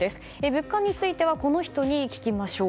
物価についてはこの人に聞きましょう。